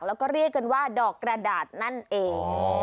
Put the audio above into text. แล้วก็เรียกกันว่าดอกกระดาษนั่นเอง